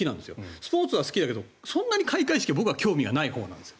スポーツは好きだけどそんなに開会式は僕は興味ないほうなんですよ。